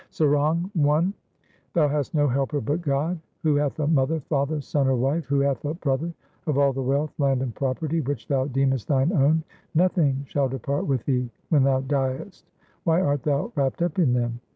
Sarang I Thou hast no helper but God ; Who hath a mother, father, son, or wife ? who hath a brother ? Of all the wealth, land, and property which thou deemest thine own, Nothing shall depart with thee when thou diest ; why art thou wrapped up in them